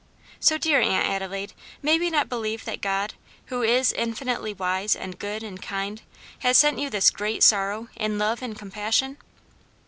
"So, dear Aunt Adelaide, may we not believe that God, who is infinitely wise, and good, and kind, has sent you this great sorrow in love and compassion?"